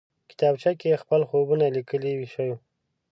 کتابچه کې خپل خوبونه لیکلی شو